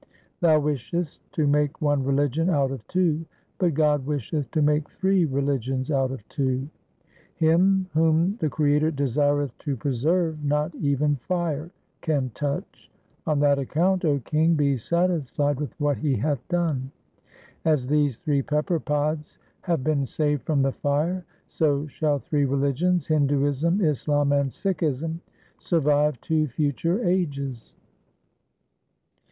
Thou wishest to make one religion out of two, but God wisheth to make three religions out of two. Him whom the Creator desireth to preserve not even fire can touch. On that account, 0 king, be satisfied with what He hath done. As these three pepper pods have been saved from the fire, so shall three religions, Hinduism, Islam, and Sikhism survive to future ages.'